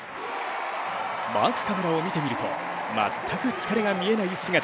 マークカメラを見てみると全く疲れが見えない姿。